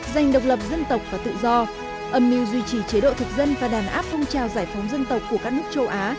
dành độc lập dân tộc và tự do âm mưu duy trì chế độ thực dân và đàn áp phong trào giải phóng dân tộc của các nước châu á